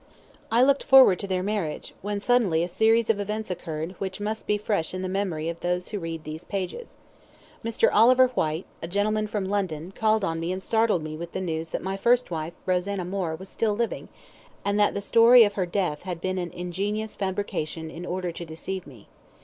I looked forward to their marriage, when suddenly a series of events occurred, which must be fresh in the memory of those who read these pages. Mr. Oliver Whyte, a gentleman from London, called on me and startled me with the news that my first wife, Rosanna Moore, was still living, and that the story of her death had been an ingenious fabrication in order to deceive me.